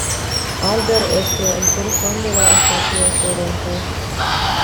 Al ver esto, el corazón de la estatua se rompe.